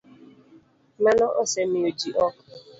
Mano osemiyo ji ok